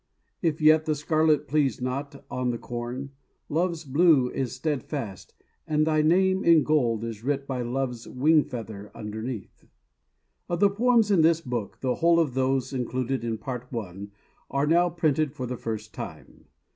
If yet the scarlet please not, on the corn, Love's blue is stedfast, and thy name in gold Is writ by love's wing feather underneath._ OF the poems in this book, the whole of those included in Part I. are now printed for the first time.